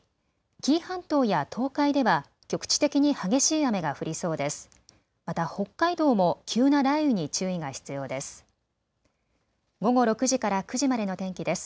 紀伊半島や東海では局地的に激しい雨が降りそうです。